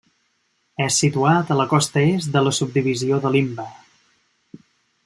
És situat a la costa est de la subdivisió de Limbe.